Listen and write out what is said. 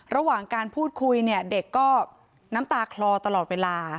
ระหว่างการพูดคุยเนี่ยเด็กก็น้ำตาคลอตลอดเวลา